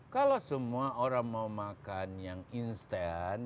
kalau semua orang mau makan yang instan